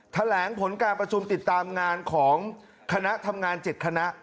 แถลงผลการประชุมติดตามงานของคณะทำงาน๗คณะ